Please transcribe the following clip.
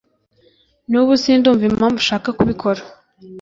nubu sindumva impamvu ushaka kubikora